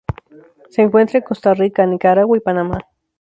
Se encuentra en Costa Rica, Nicaragua y Panamá.